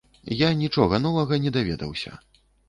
Я нічога новага не даведаўся.